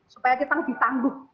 supaya kita lebih tangguh